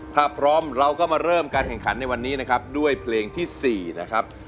ถ้าพร้อมเราก็มาเริ่มการแข่งขันในวันนี้นะครับด้วยเพลงที่๔นะครับ